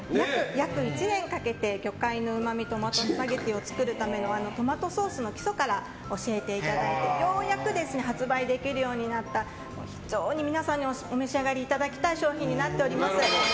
約１年かけて魚介のうまみトマトスパゲティを作るためのトマトソースの基礎から教えていただいてようやく発売できるようになった非常に皆さんにお召し上がりいただきたいスパゲティになっております。